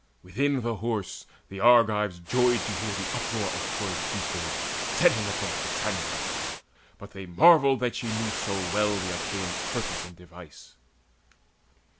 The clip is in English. Within the horse the Argives joyed to hear The uproar of Troy's feasters setting at naught Cassandra, but they marvelled that she knew So well the Achaeans' purpose and device.